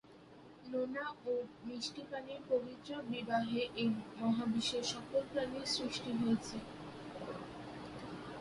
নোনা ও মিষ্টি পানির পবিত্র বিবাহে এই মহাবিশ্বের সকল প্রাণীর সৃষ্টি হয়েছে।